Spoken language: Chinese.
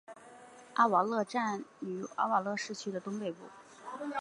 拉瓦勒站位于拉瓦勒市区的东北部。